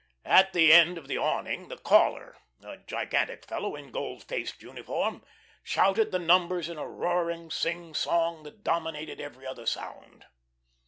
At the edge of the awning, the caller, a gigantic fellow in gold faced uniform, shouted the numbers in a roaring, sing song that dominated every other sound.